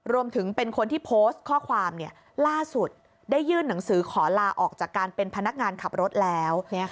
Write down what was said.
เป็นคนที่โพสต์ข้อความล่าสุดได้ยื่นหนังสือขอลาออกจากการเป็นพนักงานขับรถแล้ว